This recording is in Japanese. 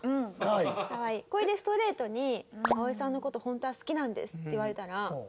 これでストレートに「葵さんの事本当は好きなんです」って言われたらもう。